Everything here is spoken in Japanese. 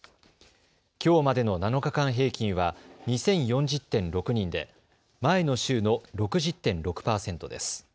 きょうまでの７日間平均は２０４０．６人で前の週の６０．６％です。